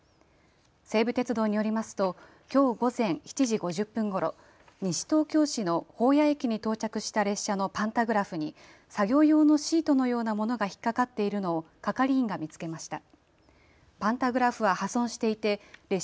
西武鉄道によりますときょう午前７時５０分ごろ、西東京市の保谷駅に到着した列車のパンタグラフに作業用のシートのようなものが引っ掛かっているのを係員が見つけました。